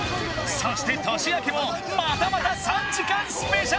そして年明けもまたまた３時間ＳＰ！